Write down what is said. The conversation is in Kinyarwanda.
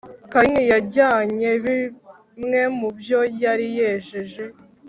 Kayini yajyanye bimwe mu byo yari yejeje